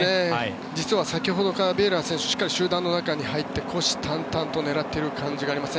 実は先ほどからビエイラ選手はしっかり集団の中に入って虎視眈々を狙っている感じがありますね。